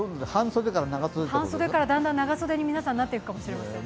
半袖からだんだん皆さん、長袖になっていくかもしれません。